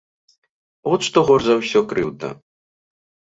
От што горш за ўсё крыўдна.